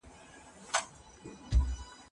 د انسان له شانه سره درواغ نه ښايي.